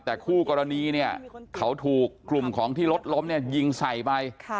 แต่คู่กรณีเนี่ยเขาถูกกลุ่มของที่รถล้มเนี่ยยิงใส่ไป